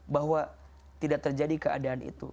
bahwa tidak terjadi keadaan itu